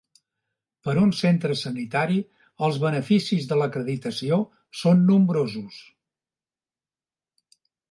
Per un centre sanitari els beneficis de l'acreditació són nombrosos.